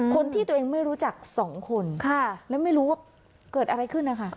คนที่ตัวเองไม่รู้จักสองคนแล้วไม่รู้ว่าเกิดอะไรขึ้นนะคะ